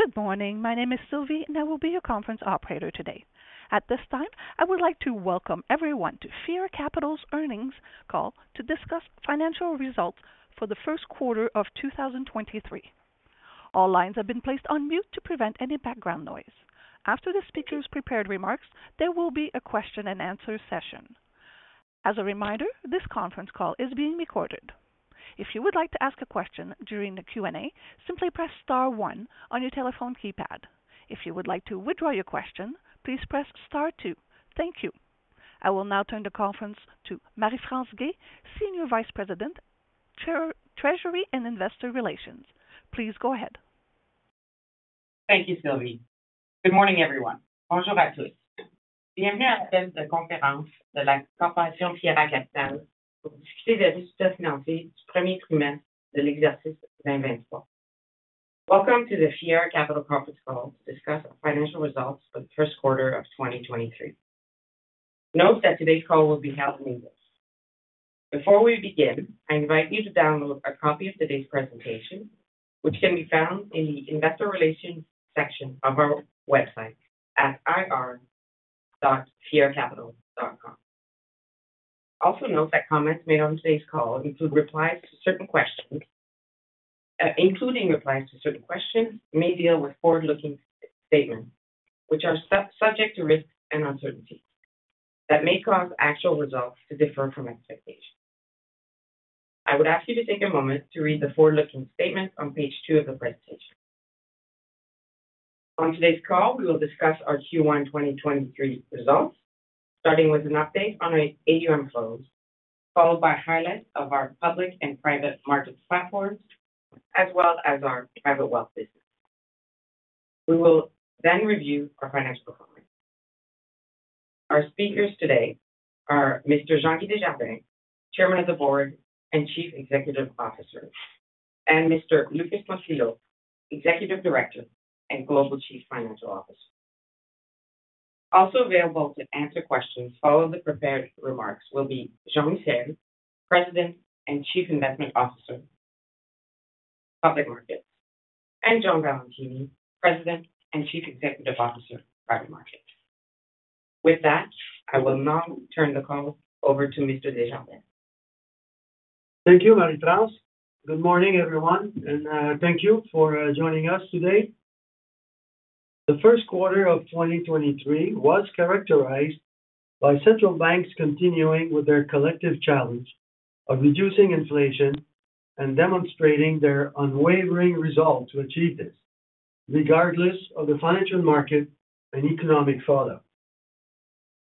Good morning. My name is Sylvie, and I will be your conference operator today. At this time, I would like to welcome everyone to Fiera Capital's earnings call to discuss financial results for the first quarter of 2023. All lines have been placed on mute to prevent any background noise. After the speakers' prepared remarks, there will be a question and answer session. As a reminder, this conference call is being recorded. If you would like to ask a question during the Q&A, simply press star one on your telephone keypad. If you would like to withdraw your question, please press star two. Thank you. I will now turn the conference to Marie-France Guay, Senior Vice President, Treasury and Investor Relations. Please go ahead. Thank you, Sylvie. Good morning, everyone. Bonjour à tous. Welcome to the Fiera Capital conference call to discuss our financial results for the first quarter of 2023. Note that today's call will be held in English. Before we begin, I invite you to download a copy of today's presentation, which can be found in the Investor Relations section of our website at ir.fieracapital.com. Also note that comments made on today's call, including replies to certain questions, may deal with forward-looking statements, which are subject to risks and uncertainties that may cause actual results to differ from expectations. I would ask you to take a moment to read the forward-looking statements on page two of the presentation. On today's call, we will discuss our Q1 2023 results, starting with an update on our AUM flows, followed by highlights of our public and private markets platforms, as well as our private wealth business. We will review our financial performance. Our speakers today are Mr. Jean-Guy Desjardins, Chairman of the Board and Chief Executive Officer, and Mr. Lucas Pontillo, Executive Director and Global Chief Financial Officer. Also available to answer questions following the prepared remarks will be Jean-Michel, President and Chief Investment Officer, Public Markets, and John Valentini, President and Chief Executive Officer, Private Markets. With that, I will now turn the call over to Mr. Desjardins. Thank you, Marie-France. Good morning, everyone, and thank you for joining us today. The first quarter of 2023 was characterized by central banks continuing with their collective challenge of reducing inflation and demonstrating their unwavering resolve to achieve this, regardless of the financial market and economic fallout.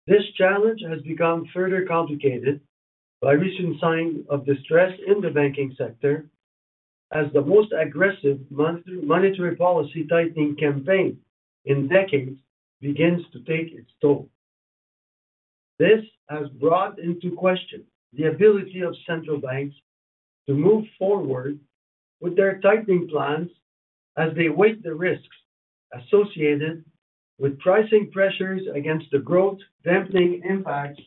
This challenge has become further complicated by recent signs of distress in the banking sector as the most aggressive monetary policy tightening campaign in decades begins to take its toll. This has brought into question the ability of central banks to move forward with their tightening plans as they weigh the risks associated with pricing pressures against the growth dampening impacts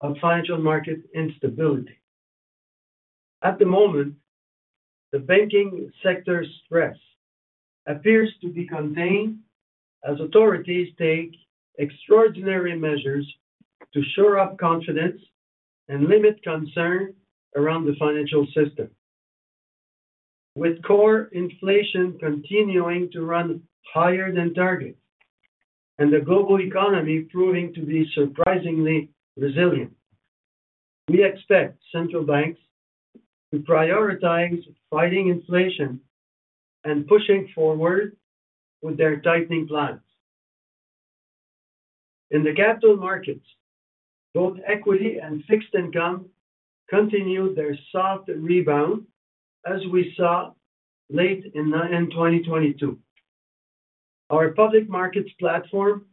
of financial market instability. At the moment, the banking sector stress appears to be contained as authorities take extraordinary measures to shore up confidence and limit concern around the financial system. With core inflation continuing to run higher than target and the global economy proving to be surprisingly resilient, we expect central banks to prioritize fighting inflation and pushing forward with their tightening plans. In the capital markets, both equity and fixed income continued their soft rebound, as we saw late in 2022. Our public markets platform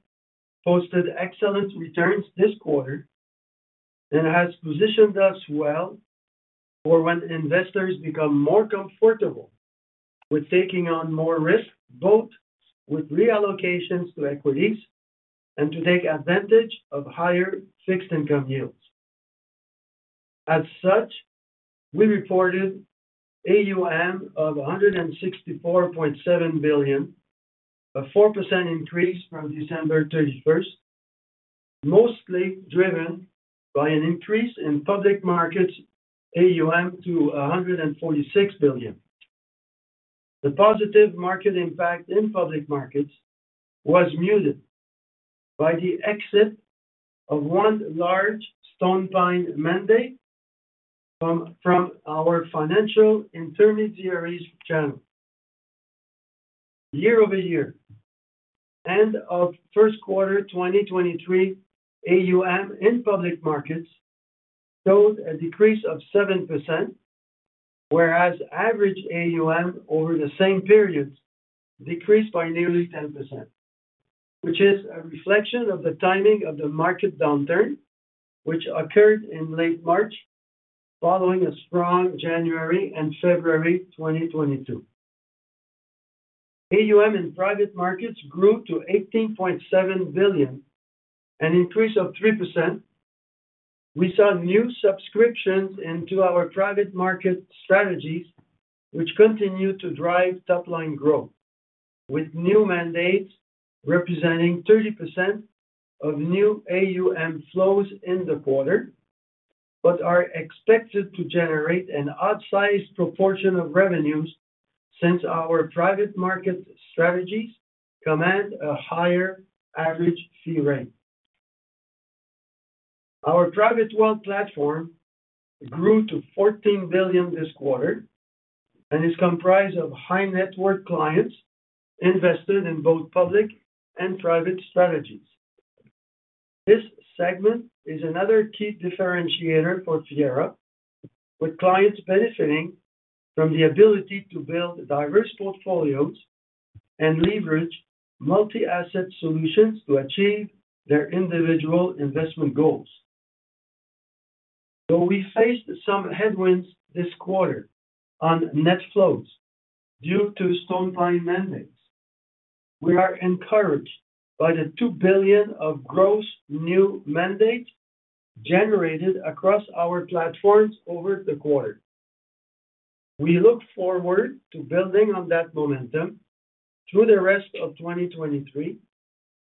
posted excellent returns this quarter and has positioned us well for when investors become more comfortable with taking on more risk, both with reallocations to equities and to take advantage of higher fixed income yields. As such, we reported AUM of 164.7 billion, a 4% increase from December 31st, mostly driven by an increase in public markets AUM to 146 billion. The positive market impact in public markets was muted by the exit of 1 large PineStone mandate from our financial intermediaries channel. Year-over-year, end of first quarter 2023 AUM in public markets showed a decrease of 7%, whereas average AUM over the same period decreased by nearly 10%, which is a reflection of the timing of the market downturn, which occurred in late March following a strong January and February 2022. AUM in private markets grew to 18.7 billion, an increase of 3%. We saw new subscriptions into our private market strategies, which continue to drive top line growth, with new mandates representing 30% of new AUM flows in the quarter, but are expected to generate an outsized proportion of revenues since our private market strategies command a higher average fee rate. Our private wealth platform grew to 14 billion this quarter and is comprised of high net worth clients invested in both public and private strategies. This segment is another key differentiator for Fiera, with clients benefiting from the ability to build diverse portfolios and leverage multi-asset solutions to achieve their individual investment goals. Though we faced some headwinds this quarter on net flows due toPineStone mandates, we are encouraged by the 2 billion of gross new mandates generated across our platforms over the quarter. We look forward to building on that momentum through the rest of 2023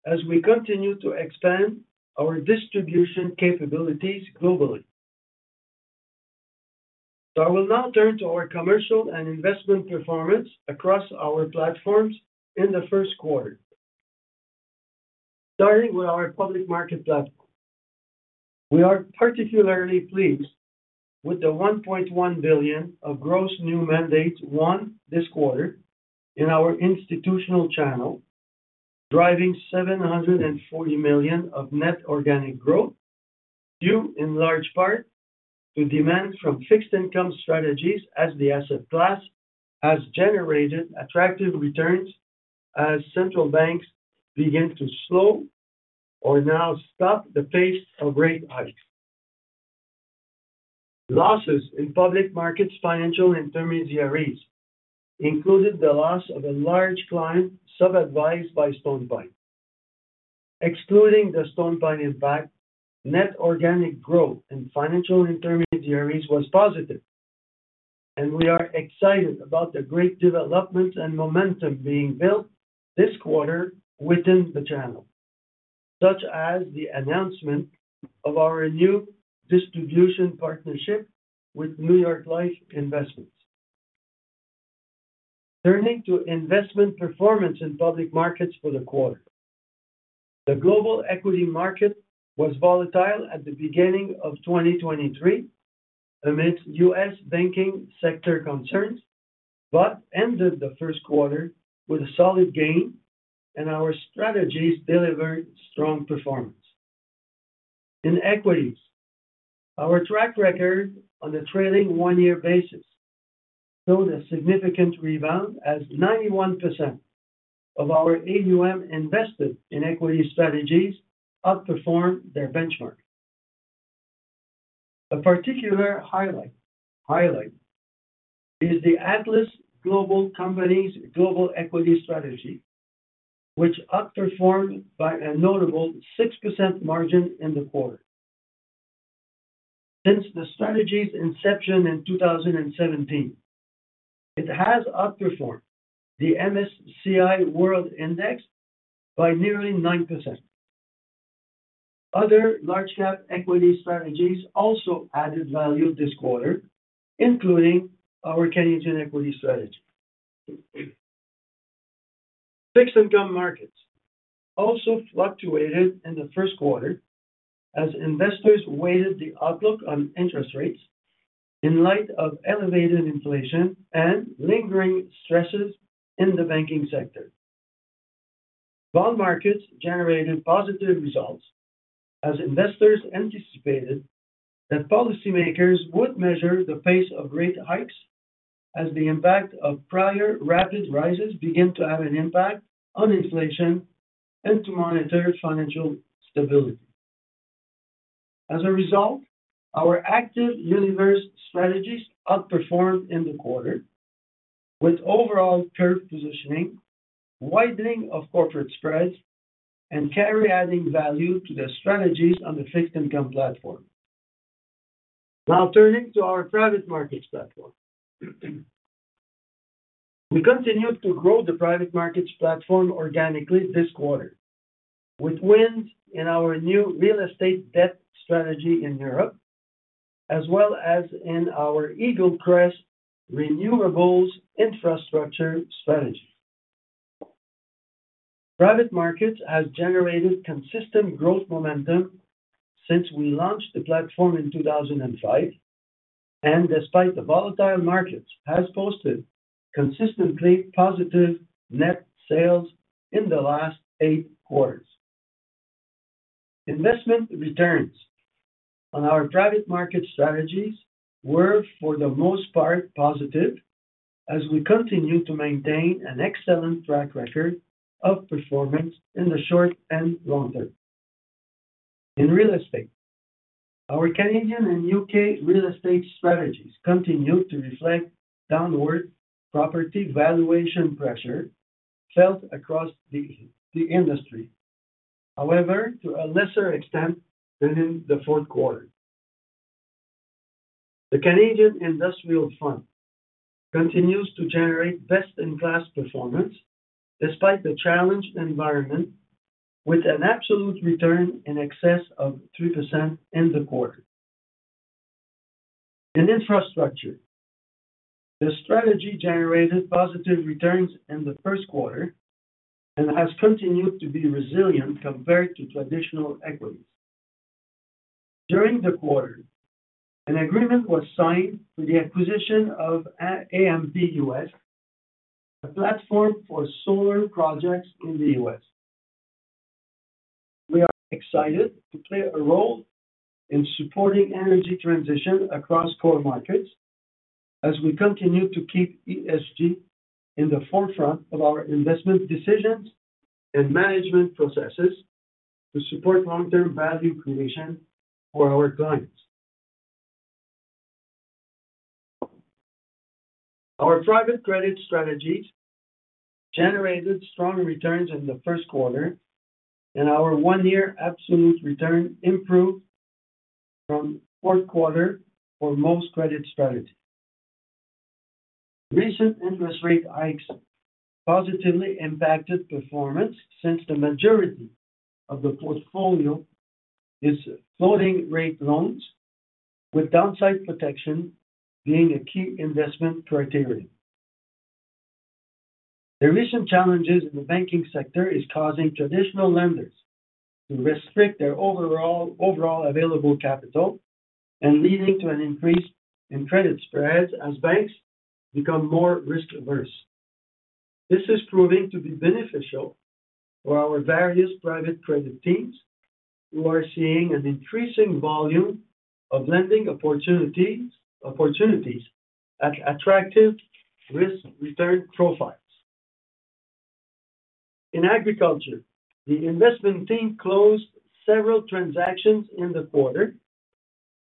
as we continue to expand our distribution capabilities globally. I will now turn to our commercial and investment performance across our platforms in the first quarter. Starting with our public market platform. We are particularly pleased with the 1.1 billion of gross new mandates won this quarter in our institutional channel, driving 740 million of net organic growth, due in large part to demand from fixed income strategies as the asset class has generated attractive returns as central banks begin to slow or now stop the pace of rate hikes. Losses in public markets financial intermediaries included the loss of a large client sub-advised by PineStone. Excluding the PineStone impact, net organic growth in financial intermediaries was positive, and we are excited about the great developments and momentum being built this quarter within the channel, such as the announcement of our new distribution partnership with New York Life Investments. Turning to investment performance in public markets for the quarter. The global equity market was volatile at the beginning of 2023 amid U.S. banking sector concerns. Ended the first quarter with a solid gain and our strategies delivered strong performance. In equities, our track record on a trailing one-year basis showed a significant rebound as 91% of our AUM invested in equity strategies outperformed their benchmark. A particular highlight is the Atlas Global Companies Global Equity Strategy, which outperformed by a notable 6% margin in the quarter. Since the strategy's inception in 2017, it has outperformed the MSCI World Index by nearly 9%. Other large cap equity strategies also added value this quarter, including our Canadian equity strategy. Fixed income markets also fluctuated in the first quarter as investors weighed the outlook on interest rates in light of elevated inflation and lingering stresses in the banking sector. Bond markets generated positive results as investors anticipated that policymakers would measure the pace of rate hikes as the impact of prior rapid rises begin to have an impact on inflation and to monitor financial stability. Our active universe strategies outperformed in the quarter, with overall curve positioning, widening of corporate spreads, and carry adding value to the strategies on the fixed income platform. Turning to our private markets platform. We continued to grow the private markets platform organically this quarter, with wins in our new real estate debt strategy in Europe, as well as in our EagleCrest renewables infrastructure strategy. Private markets has generated consistent growth momentum since we launched the platform in 2005, and despite the volatile markets, has posted consistently positive net sales in the last eight quarters. Investment returns on our private market strategies were, for the most part, positive as we continue to maintain an excellent track record of performance in the short and long term. In real estate, our Canadian and UK real estate strategies continued to reflect downward property valuation pressure felt across the industry. To a lesser extent than in the fourth quarter. The Canadian Industrial Fund continues to generate best-in-class performance despite the challenged environment, with an absolute return in excess of 3% in the quarter. In infrastructure, the strategy generated positive returns in the first quarter and has continued to be resilient compared to traditional equities. During the quarter, an agreement was signed for the acquisition of Amp US, a platform for solar projects in the US. We are excited to play a role in supporting energy transition across core markets as we continue to keep ESG in the forefront of our investment decisions and management processes to support long-term value creation for our clients. Our private credit strategies generated strong returns in the first quarter, and our one-year absolute return improved from fourth quarter for most credit strategies. Recent interest rate hikes positively impacted performance since the majority of the portfolio is floating rate loans, with downside protection being a key investment criteria. The recent challenges in the banking sector is causing traditional lenders to restrict their overall available capital and leading to an increase in credit spreads as banks become more risk-averse. This is proving to be beneficial for our various private credit teams who are seeing an increasing volume of lending opportunities at attractive risk-return profiles. In agriculture, the investment team closed several transactions in the quarter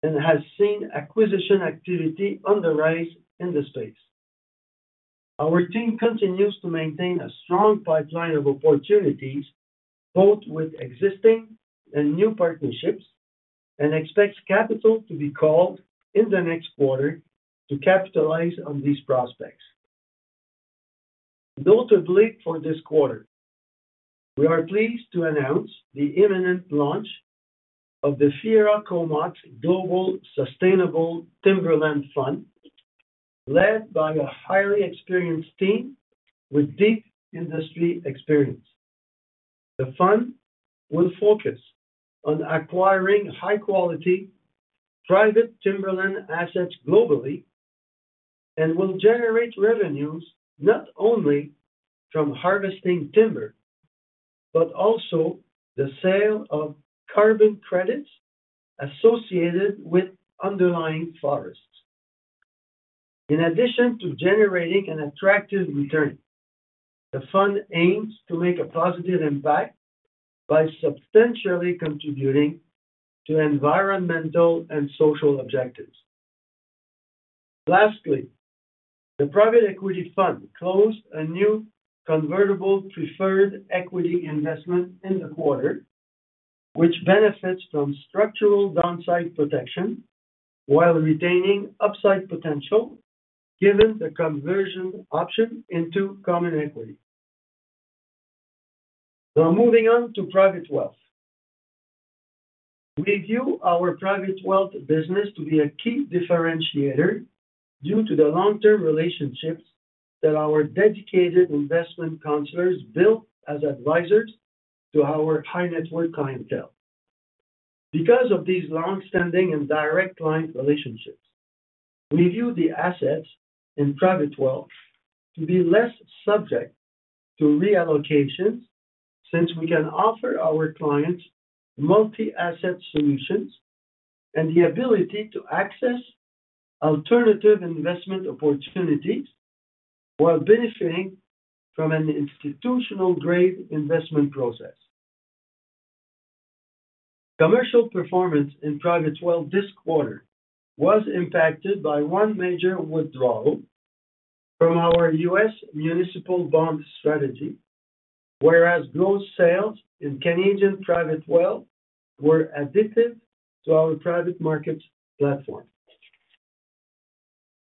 and has seen acquisition activity on the rise in the space. Our team continues to maintain a strong pipeline of opportunities, both with existing and new partnerships, and expects capital to be called in the next quarter to capitalize on these prospects. Notably for this quarter, we are pleased to announce the imminent launch of the Fiera Comox Global Sustainable Timberland Fund, led by a highly experienced team with deep industry experience. The fund will focus on acquiring high quality private timberland assets globally and will generate revenues not only from harvesting timber, but also the sale of carbon credits associated with underlying forests. In addition to generating an attractive return, the fund aims to make a positive impact by substantially contributing to environmental and social objectives. Lastly, the private equity fund closed a new convertible preferred equity investment in the quarter, which benefits from structural downside protection while retaining upside potential, given the conversion option into common equity. Moving on to private wealth. We view our private wealth business to be a key differentiator due to the long-term relationships that our dedicated investment counselors built as advisors to our high-net-worth clientele. Because of these long-standing and direct client relationships, we view the assets in private wealth to be less subject to reallocations since we can offer our clients multi-asset solutions and the ability to access alternative investment opportunities while benefiting from an institutional-grade investment process. Commercial performance in private wealth this quarter was impacted by one major withdrawal from our US municipal bond strategy, whereas gross sales in Canadian private wealth were additive to our private markets platform.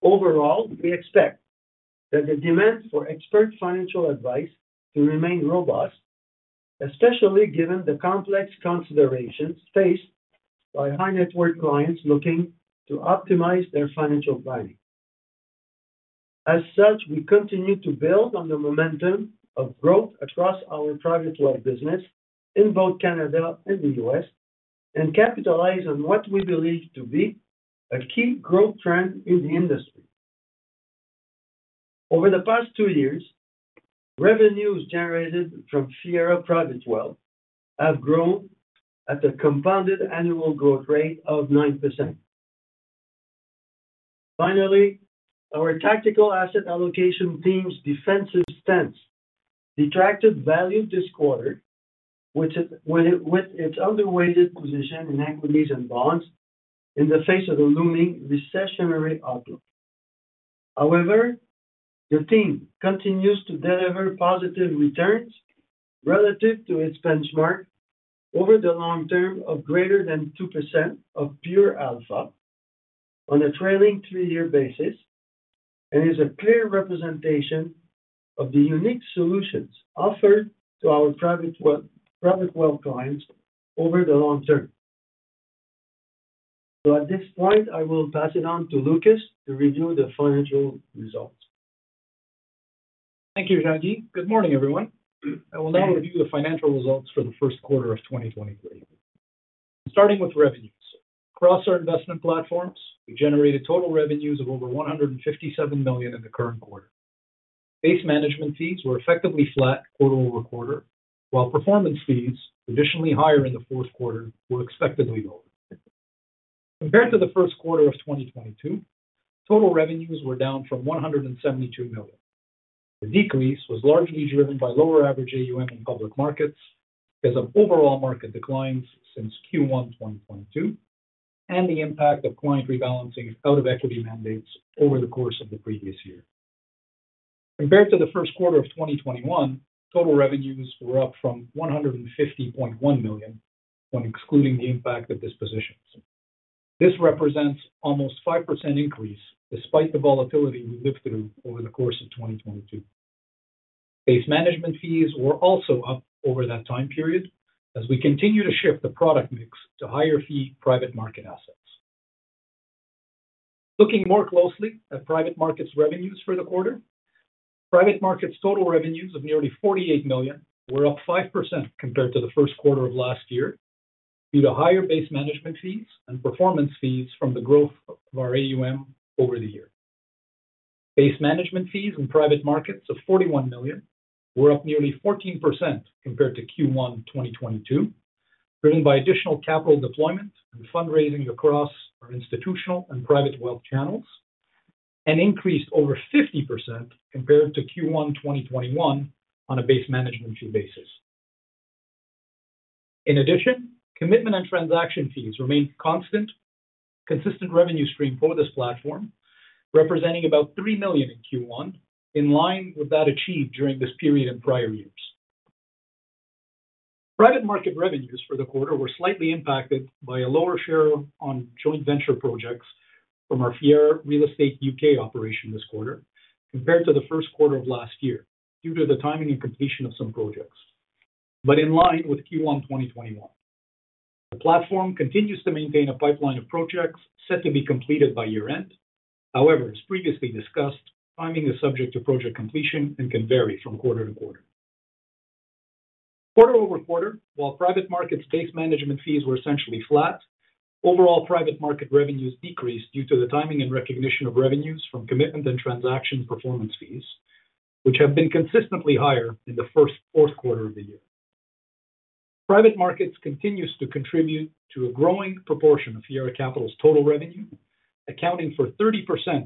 Overall, we expect that the demand for expert financial advice to remain robust, especially given the complex considerations faced by high-net-worth clients looking to optimize their financial planning. We continue to build on the momentum of growth across our private wealth business in both Canada and the U.S. and capitalize on what we believe to be a key growth trend in the industry. Over the past two years, revenues generated from Fiera Private Wealth have grown at a compounded annual growth rate of 9%. Our tactical asset allocation team's defensive stance detracted value this quarter with its underweighted position in equities and bonds in the face of a looming recessionary outlook. However, the team continues to deliver positive returns relative to its benchmark over the long term of greater than 2% of pure alpha on a trailing three-year basis, and is a clear representation of the unique solutions offered to our private wealth clients over the long term. At this point, I will pass it on to Lucas to review the financial results. Thank you, Jean-Guy. Good morning, everyone. I will now review the financial results for the first quarter of 2023. Starting with revenues. Across our investment platforms, we generated total revenues of over 157 million in the current quarter. Base management fees were effectively flat quarter-over-quarter, while performance fees, additionally higher in the fourth quarter, were expectedly lower. Compared to the first quarter of 2022, total revenues were down from 172 million. The decrease was largely driven by lower average AUM in public markets as of overall market declines since Q1, 2022, and the impact of client rebalancing out of equity mandates over the course of the previous year. Compared to the first quarter of 2021, total revenues were up from 150.1 million when excluding the impact of dispositions. This represents almost 5% increase despite the volatility we lived through over the course of 2022. Base management fees were also up over that time period as we continue to shift the product mix to higher fee private market assets. Looking more closely at private markets revenues for the quarter. Private markets total revenues of nearly 48 million were up 5% compared to the first quarter of last year due to higher base management fees and performance fees from the growth of our AUM over the year. Base management fees in private markets of 41 million were up nearly 14% compared to Q1, 2022, driven by additional capital deployment and fundraising across our institutional and private wealth channels, and increased over 50% compared to Q1, 2021 on a base management fee basis. Commitment and transaction fees remained constant. Consistent revenue stream for this platform, representing about 3 million in Q1, in line with that achieved during this period in prior years. Private market revenues for the quarter were slightly impacted by a lower share on joint venture projects from our Fiera Real Estate UK operation this quarter compared to the first quarter of last year due to the timing and completion of some projects, but in line with Q1, 2021. The platform continues to maintain a pipeline of projects set to be completed by year-end. As previously discussed, timing is subject to project completion and can vary from quarter-to-quarter. Quarter-over-quarter, while private markets base management fees were essentially flat, overall private market revenues decreased due to the timing and recognition of revenues from commitment and transaction performance fees, which have been consistently higher in the first fourth quarter of the year. Private markets continues to contribute to a growing proportion of Fiera Capital's total revenue, accounting for 30%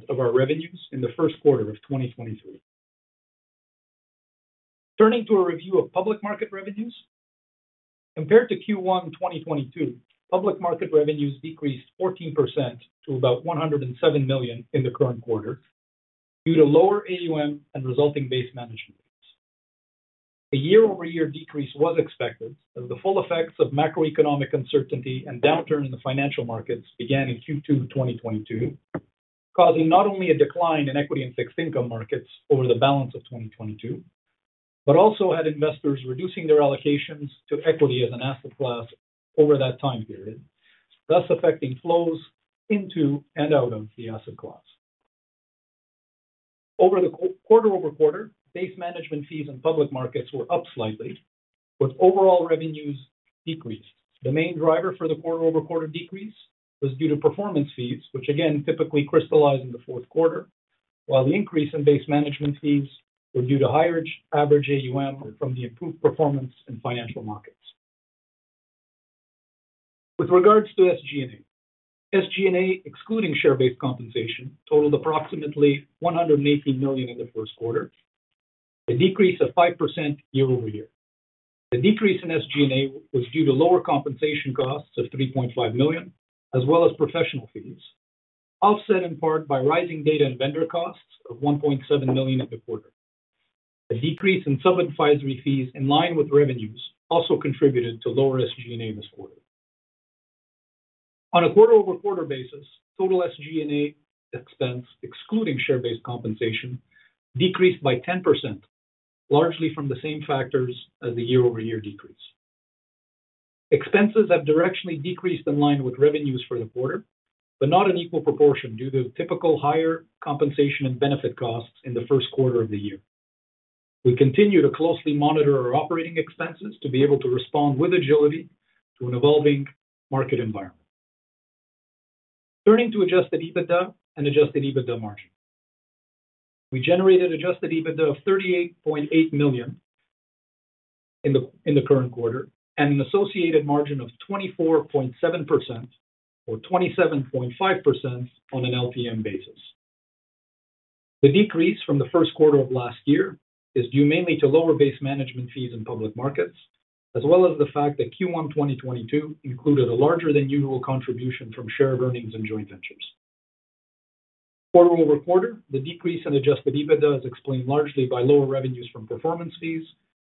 of our revenues in the first quarter of 2023. Turning to a review of public market revenues. Compared to Q1 2022, public market revenues decreased 14% to about 107 million in the current quarter due to lower AUM and resulting base management fees. A year-over-year decrease was expected as the full effects of macroeconomic uncertainty and downturn in the financial markets began in Q2 2022, causing not only a decline in equity and fixed income markets over the balance of 2022. Also had investors reducing their allocations to equity as an asset class over that time period, thus affecting flows into and out of the asset class. Over the quarter-over-quarter, base management fees in public markets were up slightly, with overall revenues decreased. The main driver for the quarter-over-quarter decrease was due to performance fees, which again typically crystallize in the fourth quarter, while the increase in base management fees were due to higher average AUM from the improved performance in financial markets. With regards to SG&A. SG&A, excluding share-based compensation, totaled approximately 118 million in the first quarter, a decrease of 5% year-over-year. The decrease in SG&A was due to lower compensation costs of 3.5 million, as well as professional fees, offset in part by rising data and vendor costs of 1.7 million in the quarter. A decrease in sub-advisory fees in line with revenues also contributed to lower SG&A this quarter. On a quarter-over-quarter basis, total SG&A expense, excluding share-based compensation, decreased by 10%, largely from the same factors as the year-over-year decrease. Expenses have directionally decreased in line with revenues for the quarter, but not in equal proportion due to typical higher compensation and benefit costs in the first quarter of the year. We continue to closely monitor our operating expenses to be able to respond with agility to an evolving market environment. Turning to adjusted EBITDA and adjusted EBITDA margin. We generated adjusted EBITDA of 38.8 million in the current quarter and an associated margin of 24.7% or 27.5% on an LTM basis. The decrease from the first quarter of last year is due mainly to lower base management fees in public markets, as well as the fact that Q1 2022 included a larger than usual contribution from share of earnings and joint ventures. Quarter over quarter, the decrease in adjusted EBITDA is explained largely by lower revenues from performance fees,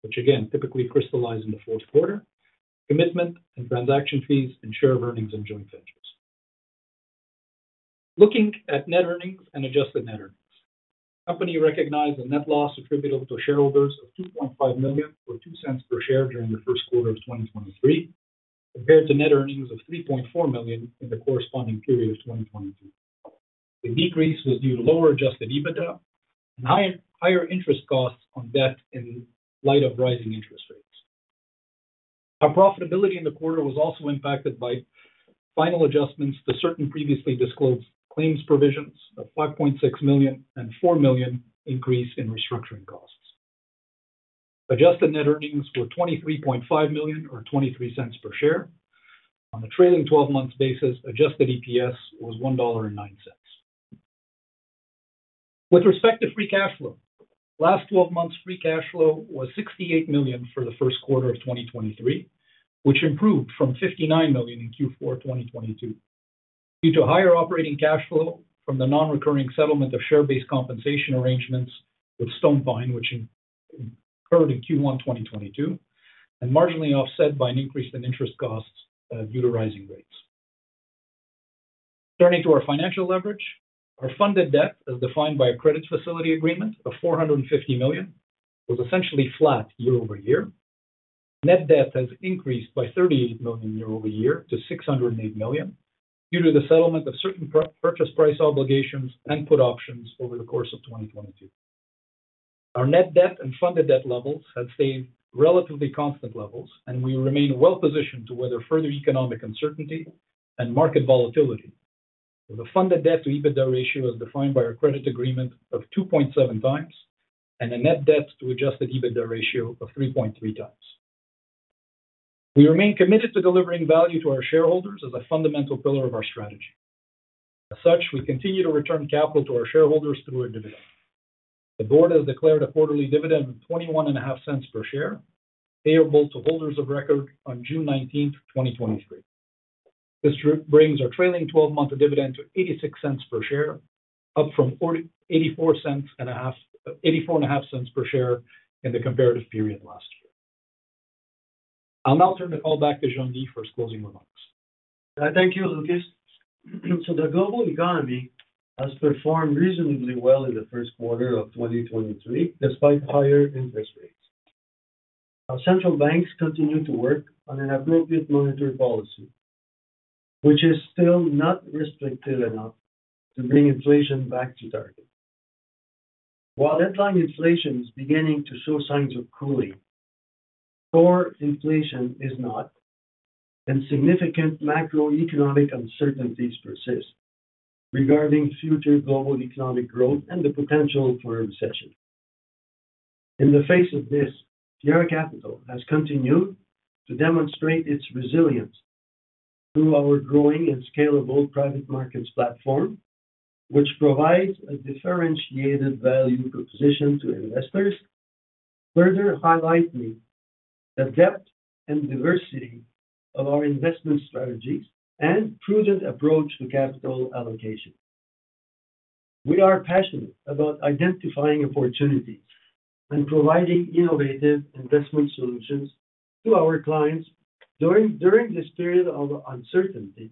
which again typically crystallize in the fourth quarter, commitment and transaction fees, and share of earnings and joint ventures. Looking at net earnings and adjusted net earnings. Company recognized a net loss attributable to shareholders of 2.5 million or 0.02 per share during the first quarter of 2023, compared to net earnings of 3.4 million in the corresponding period of 2022. The decrease was due to lower adjusted EBITDA and higher interest costs on debt in light of rising interest rates. Our profitability in the quarter was also impacted by final adjustments to certain previously disclosed claims provisions of 5.6 million and 4 million increase in restructuring costs. Adjusted net earnings were 23.5 million or 0.23 per share. On a trailing twelve months basis, adjusted EPS was 1.09 dollar. With respect to free cash flow, last twelve months free cash flow was 68 million for the first quarter of 2023, which improved from 59 million in Q4 2022 due to higher operating cash flow from the non-recurring settlement of share-based compensation arrangements with StonePine, which occurred in Q1 2022, and marginally offset by an increase in interest costs due to rising rates. Turning to our financial leverage, our funded debt as defined by a credit facility agreement of 450 million was essentially flat year-over-year. Net debt has increased by 38 million year-over-year to 608 million due to the settlement of certain purchase price obligations and put options over the course of 2022. Our net debt and funded debt levels have stayed relatively constant levels, and we remain well positioned to weather further economic uncertainty and market volatility, with a funded debt to EBITDA ratio as defined by our credit agreement of 2.7 times and a net debt to adjusted EBITDA ratio of 3.3 times. We remain committed to delivering value to our shareholders as a fundamental pillar of our strategy. As such, we continue to return capital to our shareholders through a dividend. The board has declared a quarterly dividend of $0.215 Bonjour à tous per share, payable to holders of record on June 19th, 2023. This brings our trailing twelve-month dividend to 0.86 per share, up from $0.845 per share in the comparative period last year. I'll now turn the call back to Jean-Guy for his closing remarks. Thank you, Lucas. The global economy has performed reasonably well in the first quarter of 2023, despite higher interest rates. Our central banks continue to work on an appropriate monetary policy, which is still not restrictive enough to bring inflation back to target. While headline inflation is beginning to show signs of cooling, core inflation is not, and significant macroeconomic uncertainties persist regarding future global economic growth and the potential for a recession. In the face of this, Fiera Capital has continued to demonstrate its resilience through our growing and scalable private markets platform, which provides a differentiated value proposition to investors, further highlighting the depth and diversity of our investment strategies and prudent approach to capital allocation. We are passionate about identifying opportunities and providing innovative investment solutions to our clients during this period of uncertainty,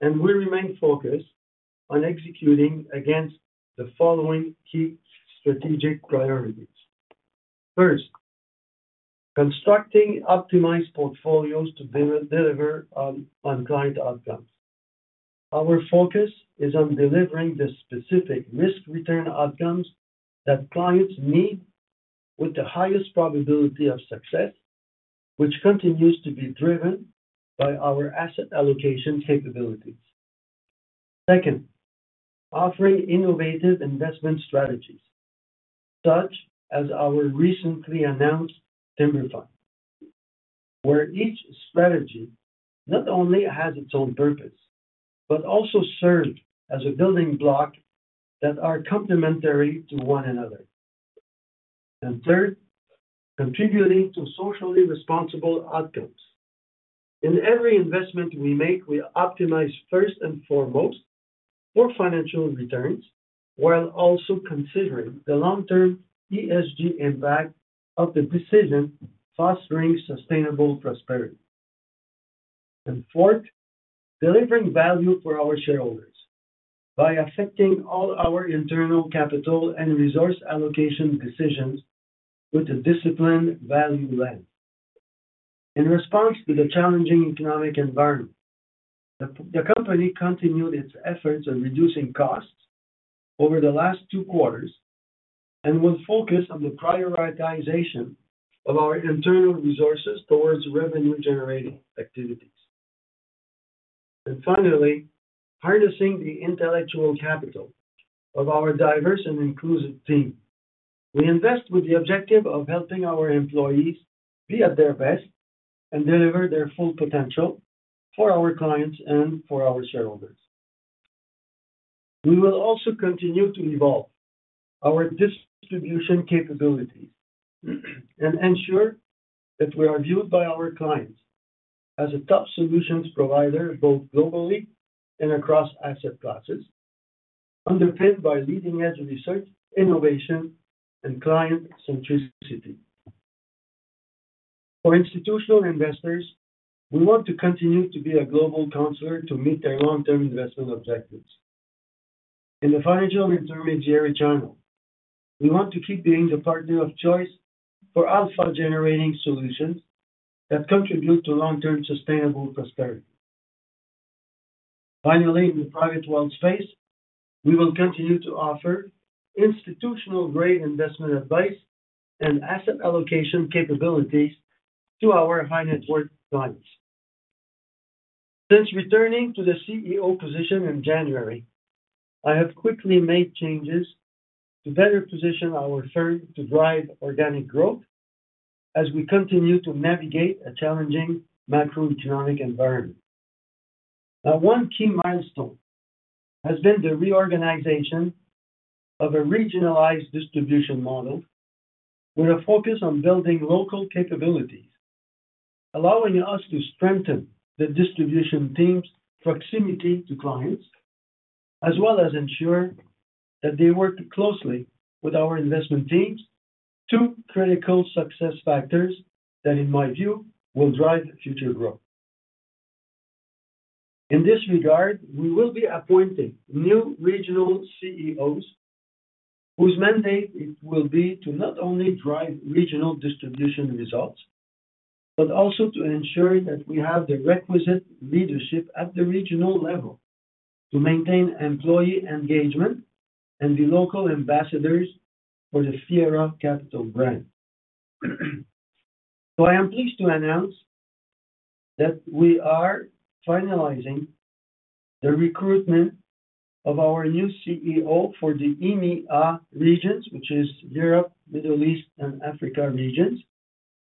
and we remain focused on executing against the following key strategic priorities. First, constructing optimized portfolios to deliver on client outcomes. Our focus is on delivering the specific risk-return outcomes that clients need with the highest probability of success, which continues to be driven by our asset allocation capabilities. Second, offering innovative investment strategies, such as our recently announced timber fund, where each strategy not only has its own purpose but also serves as a building block that are complementary to one another. Third, contributing to socially responsible outcomes. In every investment we make, we optimize first and foremost for financial returns, while also considering the long-term ESG impact of the decision fostering sustainable prosperity. Fourth, delivering value for our shareholders by affecting all our internal capital and resource allocation decisions with a disciplined value lens. In response to the challenging economic environment, the company continued its efforts on reducing costs over the last two quarters and was focused on the prioritization of our internal resources towards revenue-generating activities. Finally, harnessing the intellectual capital of our diverse and inclusive team. We invest with the objective of helping our employees be at their best and deliver their full potential for our clients and for our shareholders. We will also continue to evolve our distribution capabilities and ensure that we are viewed by our clients as a top solutions provider, both globally and across asset classes, underpinned by leading-edge research, innovation, and client centricity. For institutional investors, we want to continue to be a global counselor to meet their long-term investment objectives. In the financial intermediary channel, we want to keep being the partner of choice for alpha-generating solutions that contribute to long-term sustainable prosperity. Finally, in the private wealth space, we will continue to offer institutional-grade investment advice and asset allocation capabilities to our high-net-worth clients. Since returning to the CEO position in January, I have quickly made changes to better position our firm to drive organic growth as we continue to navigate a challenging macroeconomic environment. One key milestone has been the reorganization of a regionalized distribution model with a focus on building local capabilities, allowing us to strengthen the distribution team's proximity to clients, as well as ensure that they work closely with our investment teams. Two critical success factors that, in my view, will drive future growth. In this regard, we will be appointing new regional CEOs whose mandate it will be to not only drive regional distribution results, but also to ensure that we have the requisite leadership at the regional level to maintain employee engagement and be local ambassadors for the Fiera Capital brand. I am pleased to announce that we are finalizing the recruitment of our new CEO for the EMEA regions, which is Europe, Middle East, and Africa regions,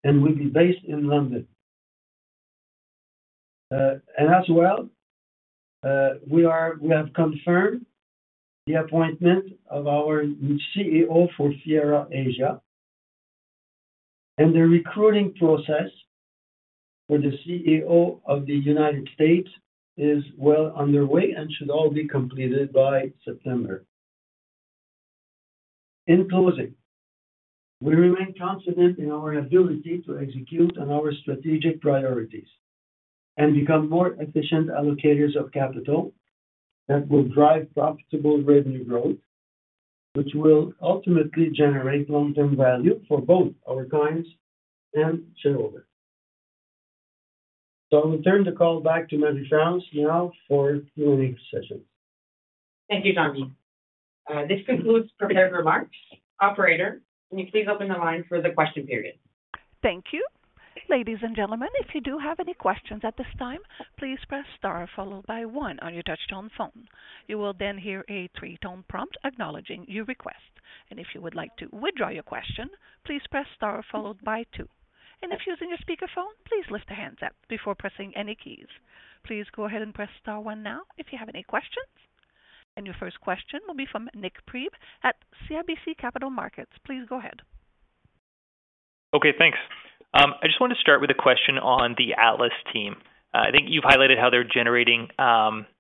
and will be based in London. As well, We have confirmed the appointment of our new CEO for Fiera Asia. The recruiting process for the CEO of the United States is well underway and should all be completed by September. In closing, we remain confident in our ability to execute on our strategic priorities and become more efficient allocators of capital that will drive profitable revenue growth, which will ultimately generate long-term value for both our clients and shareholders. I will turn the call back to Sylvie now for Q&A session. Thank you, Jean-Michel. This concludes prepared remarks. Operator, can you please open the line for the question period? Thank you. Ladies and gentlemen, if you do have any questions at this time, please press star followed by one on your touchtone phone. You will then hear a three-tone prompt acknowledging your request. If you would like to withdraw your question, please press star followed by two. If using your speakerphone, please lift the handset before pressing any keys. Please go ahead and press star one now if you have any questions. Your first question will be from Nik Priebe at CIBC Capital Markets. Please go ahead. Okay, thanks. I just want to start with a question on the Atlas team. I think you've highlighted how they're generating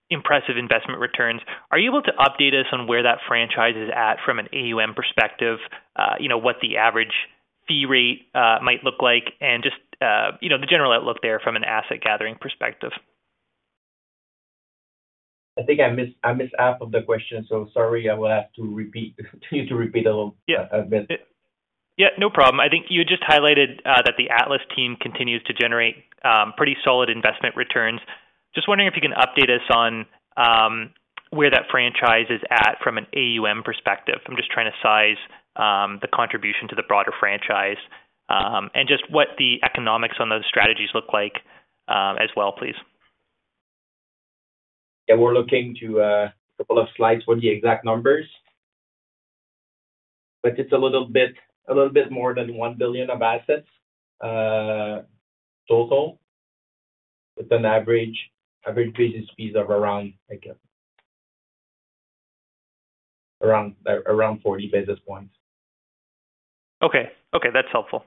impressive investment returns. Are you able to update us on where that franchise is at from an AUM perspective? You know, what the average fee rate might look like? Just, you know, the general outlook there from an asset gathering perspective? I think I missed half of the question. Sorry, I will have to repeat. Continue to repeat a little bit. Yeah. Yeah, no problem. I think you just highlighted that the Atlas team continues to generate pretty solid investment returns. Just wondering if you can update us on where that franchise is at from an AUM perspective. I'm just trying to size the contribution to the broader franchise and just what the economics on those strategies look like as well, please. Yeah, we're looking to a couple of slides for the exact numbers. It's a little bit more than 1 billion of assets total, with an average business fees of around, I guess, around 40 basis points. Okay. Okay, that's helpful.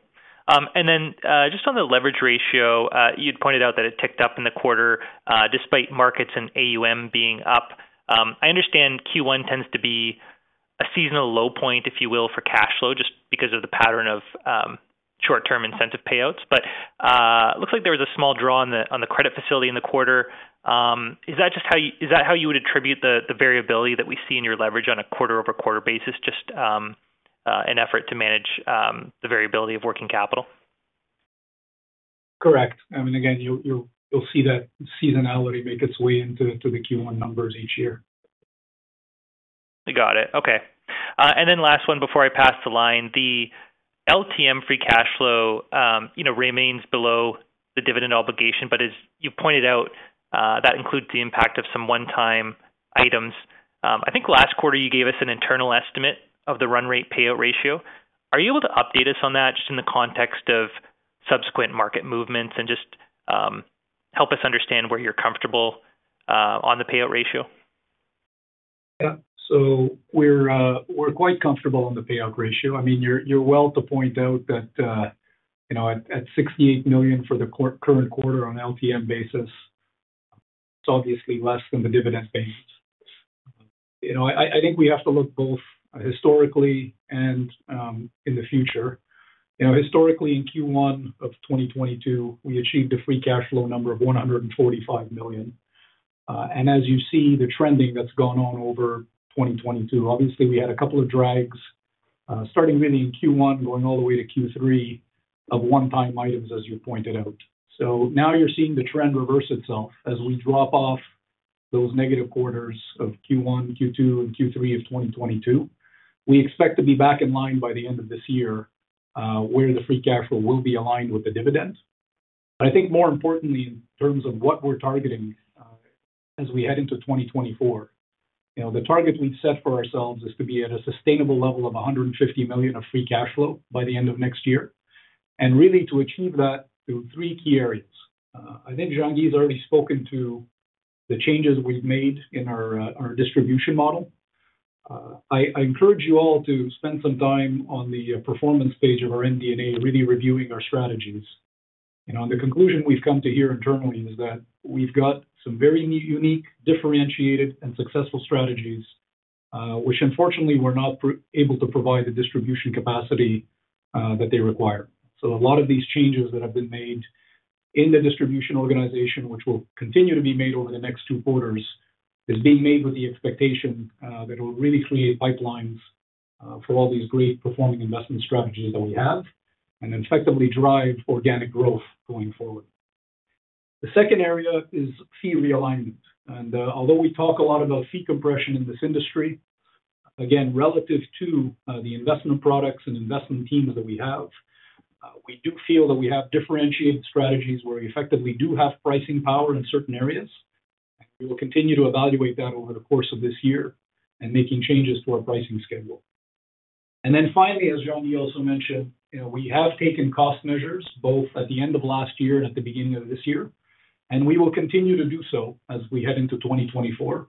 Just on the leverage ratio, you'd pointed out that it ticked up in the quarter, despite markets and AUM being up. I understand Q1 tends to be a seasonal low point, if you will, for cash flow, just because of the pattern of short-term incentive payouts. Looks like there was a small draw on the credit facility in the quarter. Is that how you would attribute the variability that we see in your leverage on a quarter-over-quarter basis, just an effort to manage the variability of working capital? Correct. I mean, again, you'll see that seasonality make its way into, to the Q1 numbers each year. Got it. Okay. Then last one before I pass the line. The LTM free cash flow, you know, remains below the dividend obligation. As you pointed out, that includes the impact of some one-time items. I think last quarter you gave us an internal estimate of the run rate payout ratio. Are you able to update us on that just in the context of subsequent market movements and just help us understand where you're comfortable on the payout ratio? We're quite comfortable on the payout ratio. I mean, you're well to point out that, you know, at 68 million for the current quarter on LTM basis, it's obviously less than the dividend payments. You know, I think we have to look both historically and in the future. You know, historically in Q1 of 2022, we achieved a free cash flow number of 145 million. As you see the trending that's gone on over 2022, obviously we had a couple of drags, starting really in Q1 going all the way to Q3 of one-time items, as you pointed out. Now you're seeing the trend reverse itself as we drop off those negative quarters of Q1, Q2, and Q3 of 2022. We expect to be back in line by the end of this year, where the free cash flow will be aligned with the dividends. I think more importantly in terms of what we're targeting, as we head into 2024, you know, the target we've set for ourselves is to be at a sustainable level of 150 million of free cash flow by the end of next year. Really to achieve that through three key areas. I think Jean-Guy's already spoken to the changes we've made in our distribution model. I encourage you all to spend some time on the performance page of our MD&A, really reviewing our strategies. You know, the conclusion we've come to here internally is that we've got some very unique, differentiated, and successful strategies, which unfortunately were not able to provide the distribution capacity that they require. A lot of these changes that have been made in the distribution organization, which will continue to be made over the next two quarters, is being made with the expectation that it will really create pipelines for all these great performing investment strategies that we have and effectively drive organic growth going forward. The second area is fee realignment. Although we talk a lot about fee compression in this industry, again, relative to the investment products and investment teams that we have, we do feel that we have differentiated strategies where we effectively do have pricing power in certain areas. We will continue to evaluate that over the course of this year and making changes to our pricing schedule. Finally, as Jean-Guy also mentioned, you know, we have taken cost measures both at the end of last year and at the beginning of this year. We will continue to do so as we head into 2024,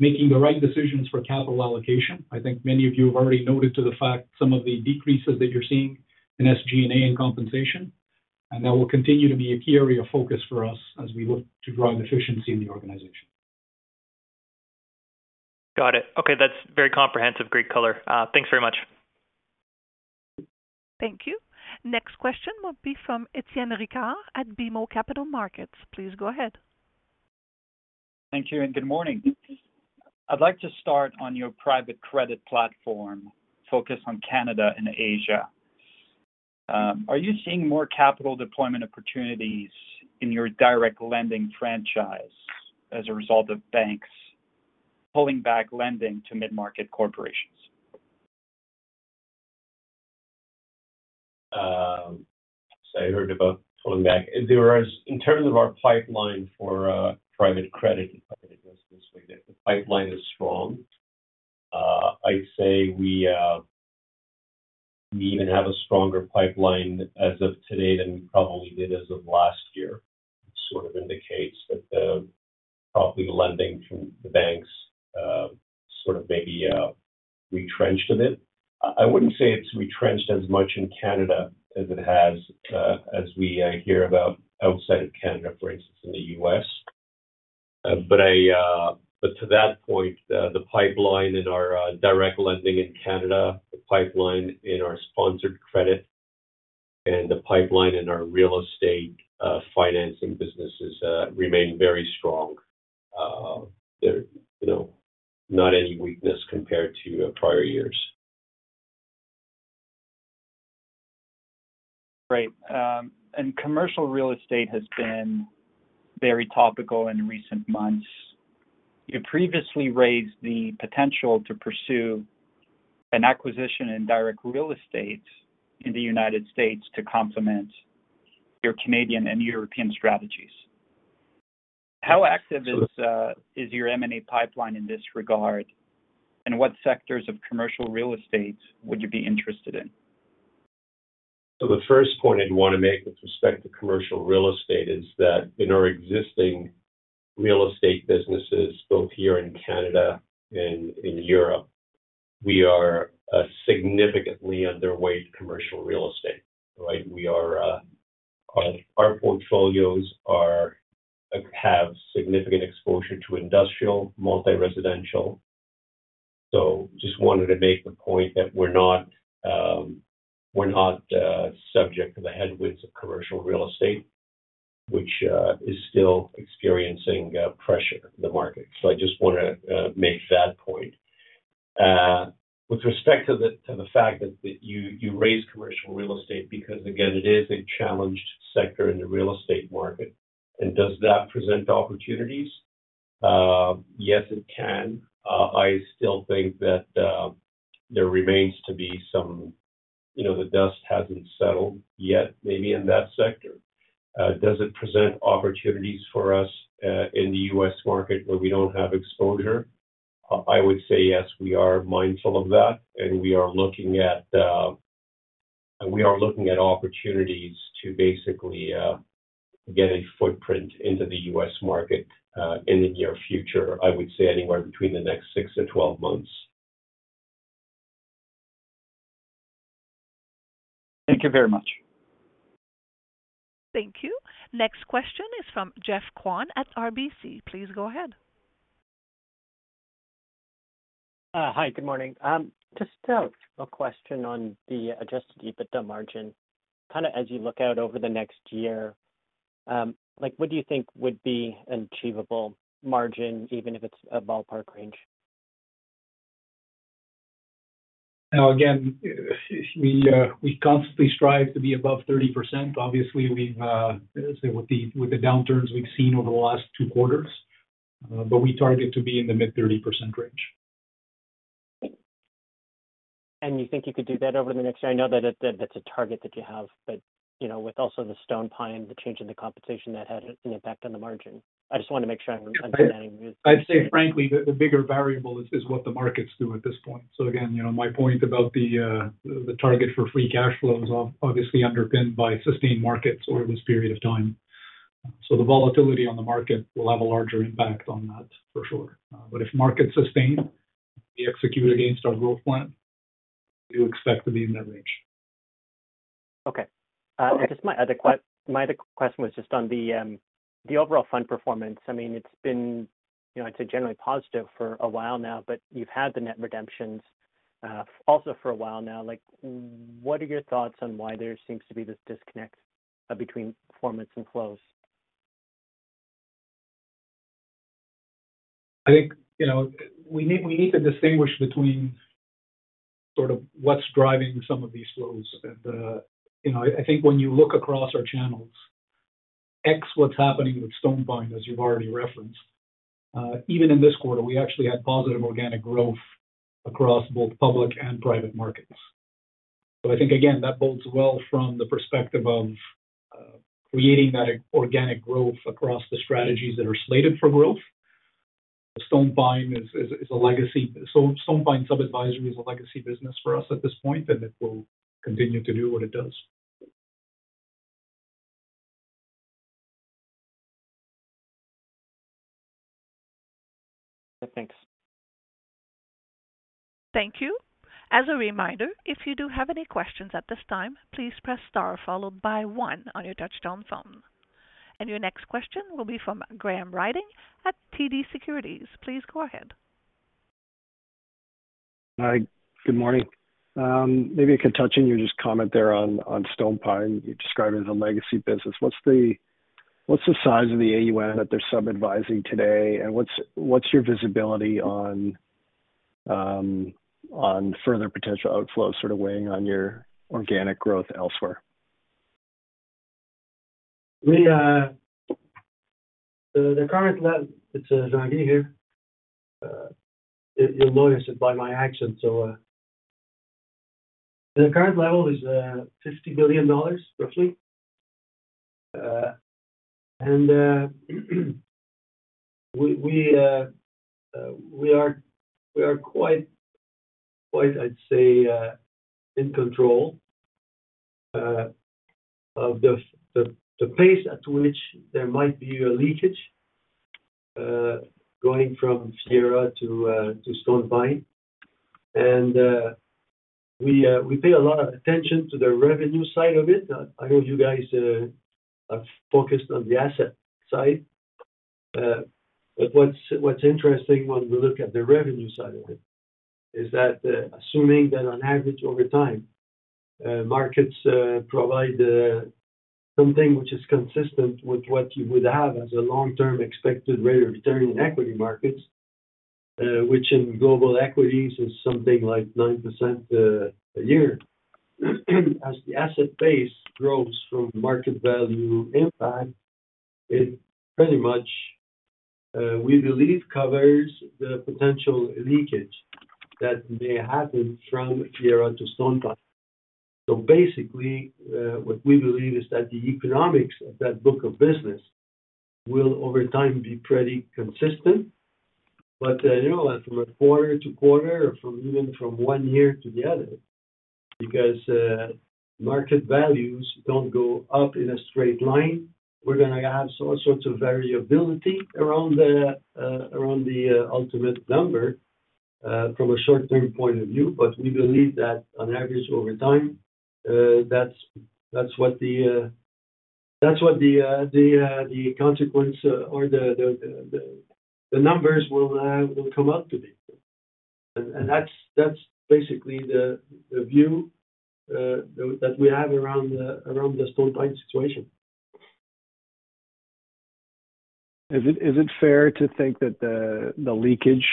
making the right decisions for capital allocation. I think many of you have already noted to the fact some of the decreases that you're seeing in SG&A and compensation, that will continue to be a key area of focus for us as we look to drive efficiency in the organization. Got it. Okay, that's very comprehensive. Great color. Thanks very much. Thank you. Next question will be from Etienne Ricard at BMO Capital Markets. Please go ahead. Thank you and good morning. I'd like to start on your private credit platform focused on Canada and Asia. Are you seeing more capital deployment opportunities in your direct lending franchise as a result of banks pulling back lending to mid-market corporations? I heard about pulling back. In terms of our pipeline for private credit, let me put it this way. The pipeline is strong. I'd say we even have a stronger pipeline as of today than we probably did as of last year. Sort of indicates that probably the lending from the banks sort of maybe retrenched a bit. I wouldn't say it's retrenched as much in Canada as it has as we hear about outside of Canada, for instance, in the U.S. But to that point, the pipeline in our direct lending in Canada, the pipeline in our sponsored credit, and the pipeline in our real estate financing businesses remain very strong. There, you know, not any weakness compared to prior years. Right. Commercial real estate has been very topical in recent months. You previously raised the potential to pursue an acquisition in direct real estate in the United States to complement your Canadian and European strategies. How active is your M&A pipeline in this regard, and what sectors of commercial real estate would you be interested in? The first point I'd want to make with respect to commercial real estate is that in our existing real estate businesses, both here in Canada and in Europe, we are significantly underweight commercial real estate, right? We are, our portfolios have significant exposure to industrial multi-residential. Just wanted to make the point that we're not subject to the headwinds of commercial real estate, which is still experiencing pressure the market. I just want ro make that point. With respect to the fact that you raised commercial real estate because again, it is a challenged sector in the real estate market. Does that present opportunities? Yes, it can. I still think that there remains to be some... You know, the dust hasn't settled yet maybe in that sector. Does it present opportunities for us in the U.S. market where we don't have exposure? I would say yes, we are mindful of that, and we are looking at opportunities to basically get a footprint into the US market in the near future. I would say anywhere between the next six to 12 months. Thank you very much. Thank you. Next question is from Geoffrey Kwan at RBC. Please go ahead. Hi, good morning. Just a question on the adjusted EBITDA margin. kind of as you look out over the next year, like, what do you think would be an achievable margin, even if it's a ballpark range? Again, we constantly strive to be above 30%. Obviously, we've, let's say with the, with the downturns we've seen over the last two quarters. We target to be in the mid-30% range. You think you could do that over the next year? I know that's a target that you have. You know, with also the StonePine, the change in the compensation that has an impact on the margin. I just want to make sure I'm understanding. I'd say frankly, the bigger variable is what the markets do at this point. Again, you know, my point about the target for free cash flows are obviously underpinned by sustained markets over this period of time. The volatility on the market will have a larger impact on that for sure. If markets sustain, we execute against our growth plan, we would expect to be in that range. Okay. Okay. Just my other question was just on the overall fund performance. I mean, it's been, you know, it's a generally positive for a while now, but you've had the net redemptions, also for a while now. Like, what are your thoughts on why there seems to be this disconnect between performance and flows? I think, you know, we need to distinguish between sort of what's driving some of these flows. I think when you look across our channels, X, what's happening with StonePine, as you've already referenced. Even in this quarter, we actually had positive organic growth across both public and private markets. I think again, that bodes well from the perspective of creating that organic growth across the strategies that are slated for growth. StonePine is a legacy. StonePine sub-advisory is a legacy business for us at this point, and it will continue to do what it does. Thanks. Thank you. As a reminder, if you do have any questions at this time, please press star followed by 1 on your touchtone phone. Your next question will be from Graham Ryding at TD Securities. Please go ahead. Hi. Good morning. maybe I could touch and you just comment there on StonePine. You described it as a legacy business. What's the size of the AUM that they're sub-advising today? What's your visibility on further potential outflows sort of weighing on your organic growth elsewhere? We. The current level. It's Randy here. You'll notice it by my accent. The current level is 50 million dollars roughly. We are quite, I'd say, in control of the pace at which there might be a leakage going from Fiera to StonePine. We pay a lot of attention to the revenue side of it. I know you guys are focused on the asset side. What's interesting when we look at the revenue side of it is that assuming that on average over time, markets provide something which is consistent with what you would have as a long-term expected rate of return in equity markets, which in global equities is something like 9% a year. As the asset base grows from market value impact, it pretty much, we believe covers the potential leakage that may happen from Fiera to StonePine. Basically, what we believe is that the economics of that book of business will over time be pretty consistent. You know, from a quarter to quarter or from even from one year to the other, because market values don't go up in a straight line, we're going to have all sorts of variability around the ultimate number from a short-term point of view. We believe that on average, over time, that's what the consequence or the numbers will come out to be. That's basically the view that we have around the StonePine situation. Is it fair to think that the leakage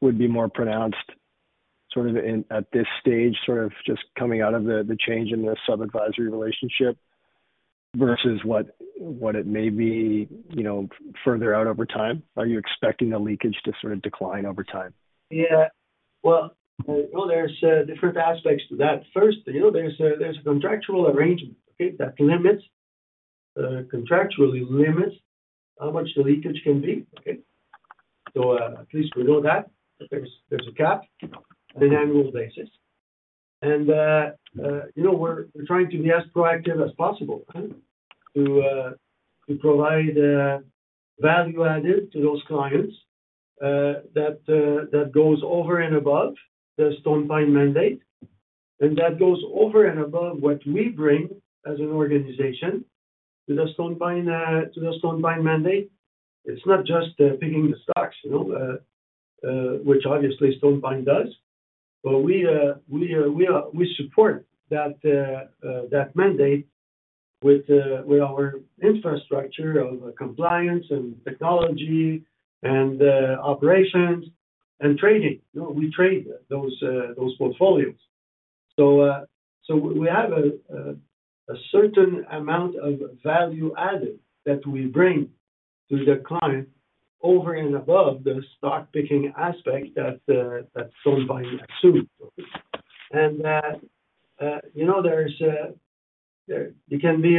would be more pronounced, sort of in, at this stage, just coming out of the change in the sub-advisory relationship, versus what it may be, you know, further out over time? Are you expecting the leakage to sort of decline over time? Well, there's different aspects to that. First, you know, there's a contractual arrangement, okay, that limits contractually limits how much the leakage can be, okay. At least we know that there's a cap on an annual basis. You know, we're trying to be as proactive as possible to provide value added to those clients that goes over and above the StonePine mandate. That goes over and above what we bring as an organization to the StonePine, to the StonePine mandate. It's not just picking the stocks, you know, which obviously StonePine does, but we support that mandate with our infrastructure of compliance and technology and operations and trading. You know, we trade those portfolios. We have a certain amount of value added that we bring to the client over and above the stock picking aspect that StonePine assumes. You know, there's. You can be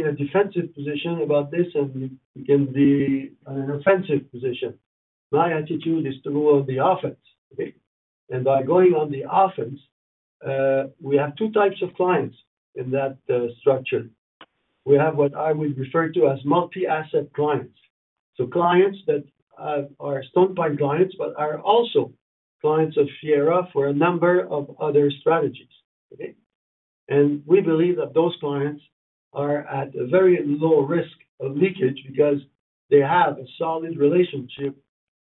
in a defensive position about this, and you can be on an offensive position. My attitude is to rule on the offense, okay? By going on the offense, we have two types of clients in that structure. We have what I would refer to as multi-asset clients. Clients that are StonePine clients, but are also clients of Fiera for a number of other strategies, okay? We believe that those clients are at a very low risk of leakage because they have a solid relationship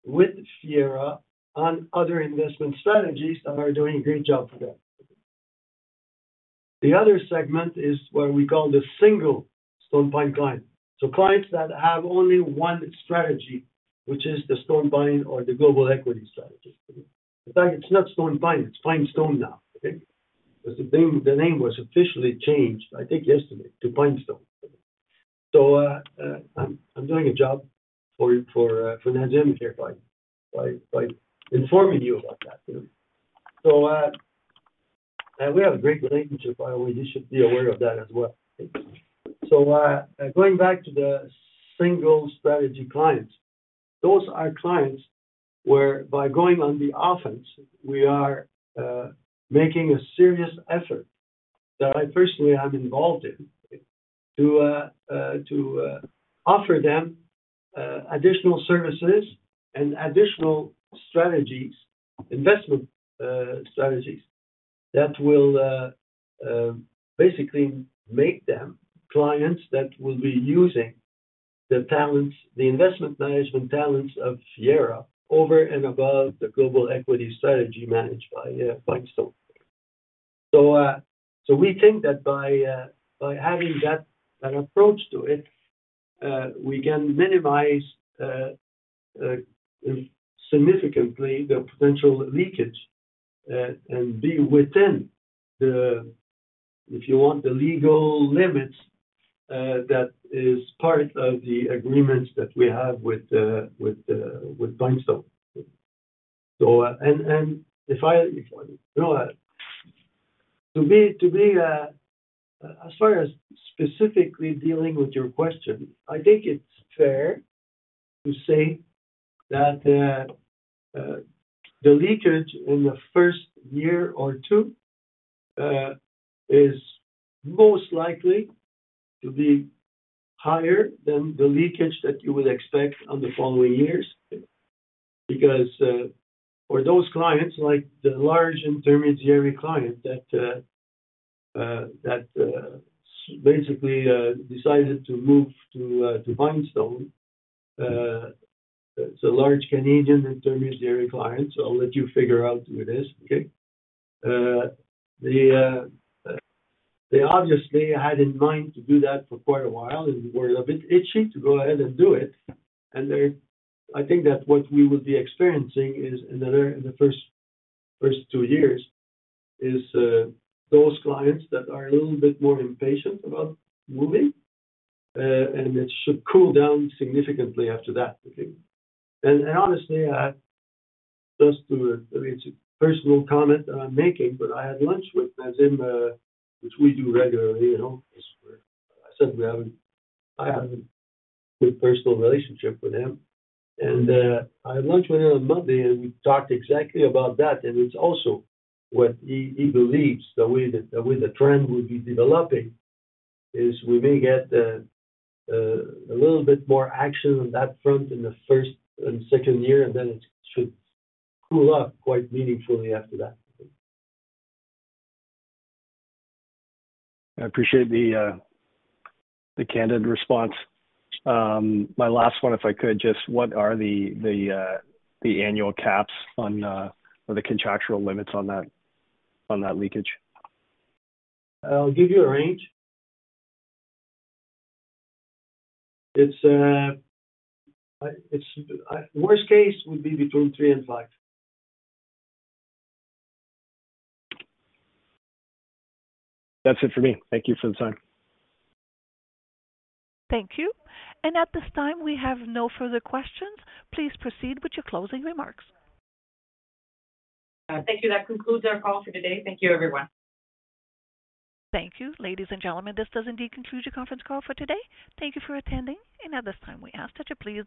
with Fiera on other investment strategies that are doing a great job for them. The other segment is what we call the single StonePine client. Clients that have only one strategy, which is the StonePine or the global equity strategy. In fact, it's not StonePine, it's PineStone now, okay? 'Cause the name, the name was officially changed, I think yesterday, to PineStone. I'm doing a job for Nadim Rizk here by informing you about that, you know. And we have a great relationship, by the way, you should be aware of that as well. Going back to the single strategy clients. Those are clients where by going on the offense, we are making a serious effort that I personally am involved in to offer them additional services and additional strategies, investment strategies that will basically make them clients that will be using the talents, the investment management talents of Fiera over and above the global equity strategy managed by StonePine. We think that by having that approach to it, we can minimize significantly the potential leakage and be within the, if you want, the legal limits that is part of the agreements that we have with StonePine. And if I... You know, to be, as far as specifically dealing with your question, I think it's fair to say that the leakage in the first year or two is most likely to be higher than the leakage that you would expect on the following years. For those clients, like the large intermediary client that basically decided to move to PineStone. It's a large Canadian intermediary client, so I'll let you figure out who it is, okay? They obviously had in mind to do that for quite a while and were a bit itchy to go ahead and do it. I think that what we would be experiencing is in the first two years is, those clients that are a little bit more impatient about moving, and it should cool down significantly after that. Okay. Honestly, just a, I mean, it's a personal comment I'm making, but I had lunch with Nadim Rizk, which we do regularly, you know. I have a good personal relationship with him. I had lunch with him on Monday, and we talked exactly about that. It's also what he believes the way the trend will be developing is we may get, a little bit more action on that front in the first and second year, and then it should cool off quite meaningfully after that. I appreciate the candid response. My last one, if I could, just what are the annual caps on, or the contractual limits on that leakage? I'll give you a range. It's worst case would be between three and five. That's it for me. Thank you for the time. Thank you. At this time, we have no further questions. Please proceed with your closing remarks. Thank you. That concludes our call for today. Thank you, everyone. Thank you. Ladies and gentlemen, this does indeed conclude your conference call for today. Thank you for attending. At this time, we ask that you please